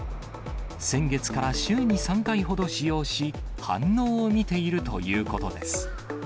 先月から週に３回ほど使用し、反応を見ているということです。